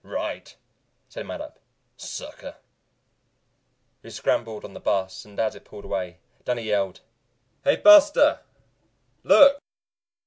"Right," said Mattup. "Sucker." We scrambled on the bus and as it pulled away Danny yelled "Hey, Buster, look!"